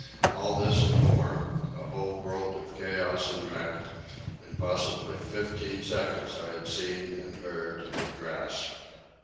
All this, and more,—a whole world of chaos and wreck,—in possibly fifteen seconds I had seen and heard and grasped.